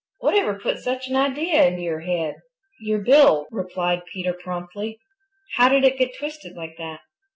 "Whatever put such an idea into your head?" "Your bill," replied Peter promptly. "How did it get twisted like that?"